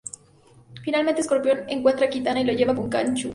Finalmente Scorpion encuentra a Kitana y la lleva con Quan Chi.